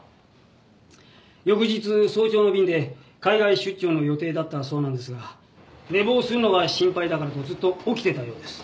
翌日早朝の便で海外出張の予定だったそうなんですが寝坊するのが心配だからとずっと起きていたようです。